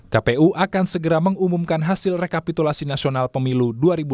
kpu akan segera mengumumkan hasil rekapitulasi nasional pemilu dua ribu dua puluh